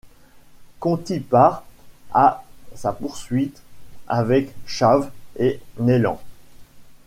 Conti part à sa poursuite avec Chaves et Neilands.